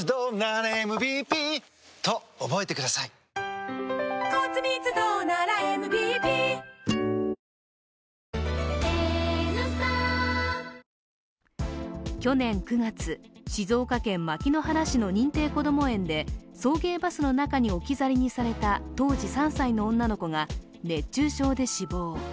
カルビー「ポテトデラックス」去年９月、静岡県牧之原市の認定こども園で送迎バスの中に置き去りにされた当時３歳の女の子が熱中症で死亡。